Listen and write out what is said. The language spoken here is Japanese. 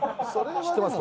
知ってます？